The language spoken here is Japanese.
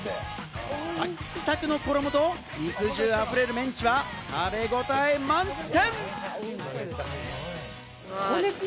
サクサクの衣と肉汁あふれるメンチは食べごたえ満点！